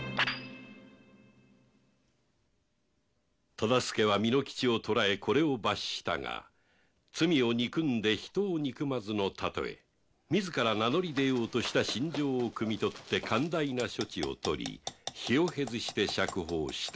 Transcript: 忠相は巳之助を捕らえこれを罰したが「罪を憎んで人を憎まず」の例え自ら名乗り出ようとした心情をくみ取って寛大な処置をとり日を経ずして釈放した